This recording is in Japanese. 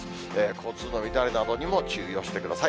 交通の乱れなどにも注意をしてください。